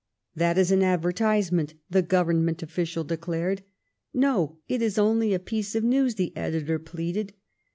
That is an advertise ment, the Government official declared. No, it is only a piece of news, the editor pleaded.